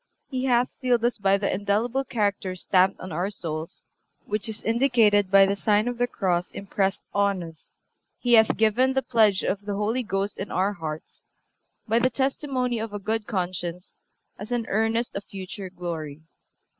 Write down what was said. He hath sealed us by the indelible character stamped on our souls, which is indicated by the sign of the cross impressed on us. He hath given the pledge of the Holy Ghost in our hearts, by the testimony of a good conscience, as an earnest of future glory.